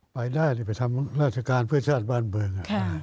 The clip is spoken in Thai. ไปได้ไปทำราชการเพื่อชาติบ้านเมือง